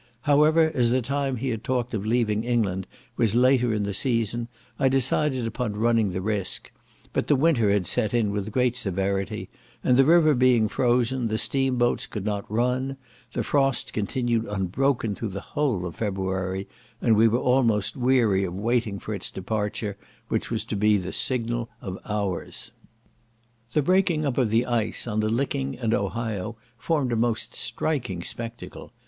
However, as the time he had talked of leaving England was later in the season, I decided upon running the risk; but the winter had set in with great severity, and the river being frozen, the steam boats could not run; the frost continued unbroken through the whole of February, and we were almost weary of waiting for its departure, which was to be the signal of ours. The breaking up of the ice, on the Licking and Ohio, formed a most striking spectacle.